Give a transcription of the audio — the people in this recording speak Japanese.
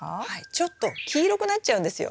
ちょっと黄色くなっちゃうんですよ。